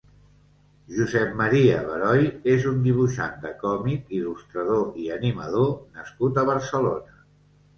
Josep Mª Beroy és un dibuixant de còmic, il·lustrador i animador nascut a Barcelona.